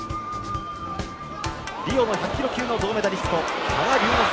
リオの１００キロ級の銅メダリスト、羽賀龍之介。